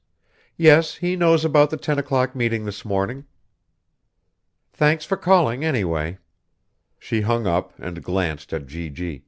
Yes, he knows about the ten o'clock meeting this morning. Thanks for calling, anyway." She hung up and glanced at G.G.